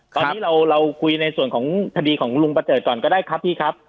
ตอนนี้เราคุยในส่วนของคดีของลุงประเดิดก่อนก็ได้ครับพี่ครับ